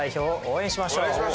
応援しましょう！